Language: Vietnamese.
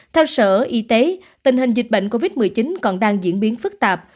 theo sở y tế tình hình dịch bệnh covid một mươi chín còn đang diễn biến phức tạp